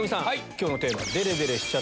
今日のテーマ。